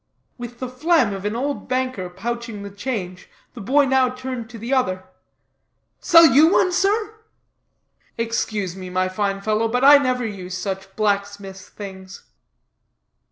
With the phlegm of an old banker pouching the change, the boy now turned to the other: "Sell you one, sir?" "Excuse me, my fine fellow, but I never use such blacksmiths' things."